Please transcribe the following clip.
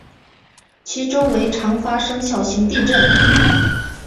其周围常发生小型地震。